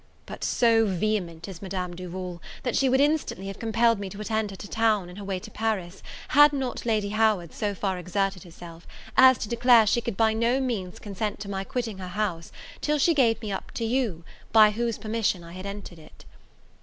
But so vehement is Madame Duval, that she would instantly have compelled me to attend her to town, in her way to Paris, had not Lady Howard so far exerted herself, as to declare she could by no means consent to my quitting her house, till she gave me up to you, by whose permission I had entered it.